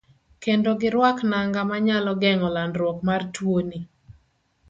Kendo giruak nanga manyalo geng'o landruok mar tuoni.